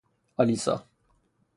اَلیسا